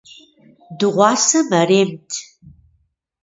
Дыгъуасэ мэремт.